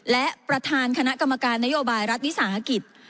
และประธานคณะกรรมการนโยบายรัฐวิสาหกิจ